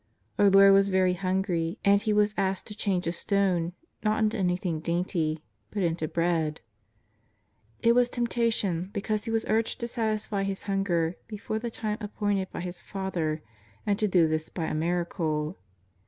Our Lord was very hungry and He was asked to change a stone, not into anything dainty but into bread. It was temptation because He was urged to satisfy His hunger before the time appointed by His Father, and to do this by l miracle.